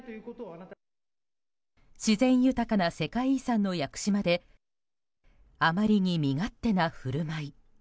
自然豊かな世界遺産の屋久島であまりに身勝手な振る舞い。